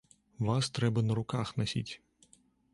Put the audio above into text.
Вас трэба на руках насіць.